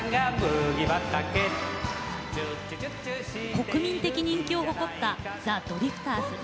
国民的人気を誇ったザ・ドリフターズ。